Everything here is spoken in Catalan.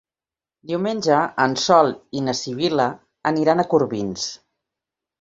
Diumenge en Sol i na Sibil·la aniran a Corbins.